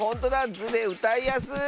「ズ」でうたいやすい！